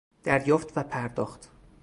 دریافت و پرداخت